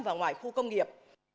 và ngoài khu công nghiệp